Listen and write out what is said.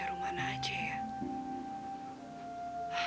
rumana kan mantan pacarnya robby